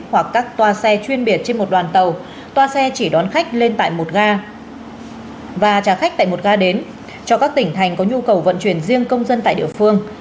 hoặc các toa xe chuyên biệt trên một đoàn tàu toa xe chỉ đón khách lên tại một ga và trả khách tại một ga đến cho các tỉnh thành có nhu cầu vận chuyển riêng công dân tại địa phương